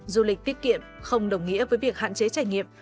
du lịch tiết kiệm không đồng nghĩa với việc hạn chế trải nghiệm